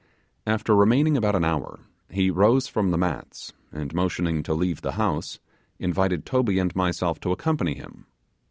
After remaining about an hour, he rose from the mats, and motioning to leave the house, invited Toby and myself to accompany him.